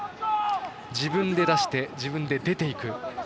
自分で出して自分で出て行く。